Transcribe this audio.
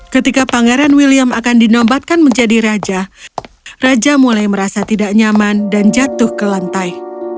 ketika pangeran william akan dinobatkan menjadi raja raja mulai merasa tidak nyaman dan jatuh ke lantai